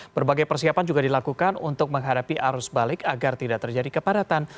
berbagai persiapan juga dilakukan untuk menghadapi arus balik agar tidak terjadi kepadatan